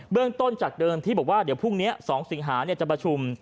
เรื่องต้นจากเดิมที่บอกว่าเดี๋ยวพรุ่งนี้๒สิงหาจะประชุม